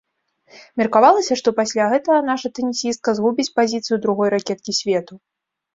Меркавалася, што пасля гэтага наша тэнісістка згубіць пазіцыю другой ракеткі свету.